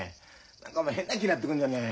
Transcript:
何かお前変な気になってくんじゃない。